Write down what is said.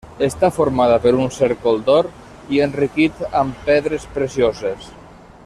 Està formada per un cèrcol d'or i enriquit amb pedres precioses.